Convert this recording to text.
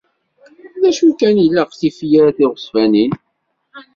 D acu kan, ilaq tifyar tiɣezfanin.